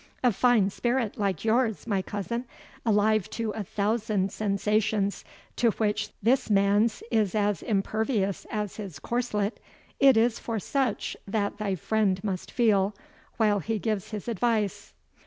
A fine spirit like yours, my cousin, alive to a thousand sensations to which this man's is as impervious as his corslet, it is for such that thy friend must feel, while he gives his advice."